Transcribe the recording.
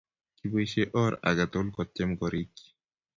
kiboisie or age tugul kotyem korikyi